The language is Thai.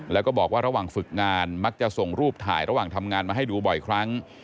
แล้วก็บอกว่าระหว่างฝึกงานมักจะส่งรูปถ่ายระหว่างทำงานมาให้ดูบ่อยครั้ง